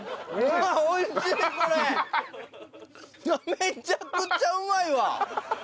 めちゃくちゃうまいわ！